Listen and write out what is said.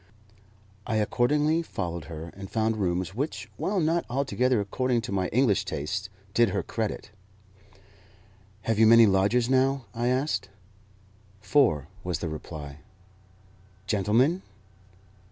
I accordingly followed her, and found rooms which, while not altogether according to my English tastes, did her credit. "Have you many lodgers now?" I asked. "Four," was the reply. "Gentlemen?"